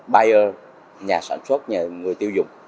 buyer nhà sản xuất nhà người tiêu dùng